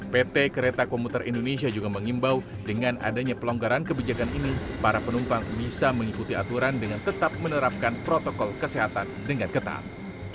pt kereta komuter indonesia juga mengimbau dengan adanya pelonggaran kebijakan ini para penumpang bisa mengikuti aturan dengan tetap menerapkan protokol kesehatan dengan ketat